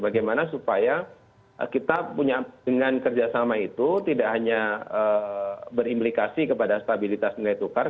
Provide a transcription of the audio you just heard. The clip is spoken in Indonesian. bagaimana supaya kita punya dengan kerjasama itu tidak hanya berimplikasi kepada stabilitas nilai tukar